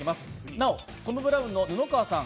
なお、トム・ブラウンの布川さん